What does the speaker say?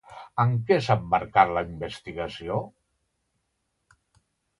En què s'ha emmarcat la investigació?